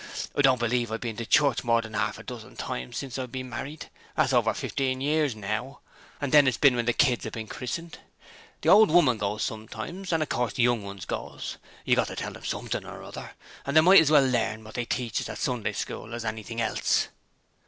I don't believe I've been to church more than arf a dozen times since I've been married that's over fifteen years ago now and then it's been when the kids 'ave been christened. The old woman goes sometimes and of course the young 'uns goes; you've got to tell 'em something or other, and they might as well learn what they teaches at the Sunday School as anything else.'